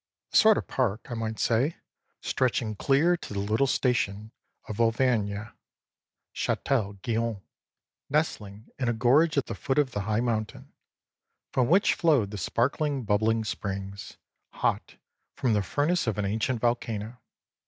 A sort of park, I might say, stretching clear to the little station of Auvergne, Chatel Guyon, nestling in a gorge at the foot of the high mountain, from which flowed the sparkling, bubbling springs, hot from the furnace of an ancient volcano.